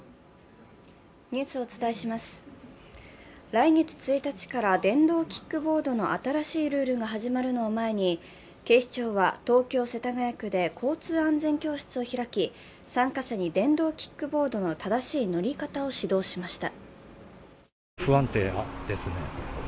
来月１日から電動キックボードの新しいルールが始まるのを前に、警視庁は東京・世田谷区で交通安全教室を開き、参加者に電動キックボードの正しい乗り方を指導しました。